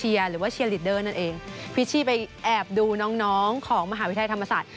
พิชชีไปแอบดูน้องของมหาวิทยาลัยธรรมศาสตร์